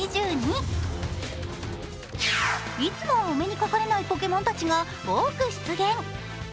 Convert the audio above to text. いつもはお目にかかれないポケモンたちが多く出現。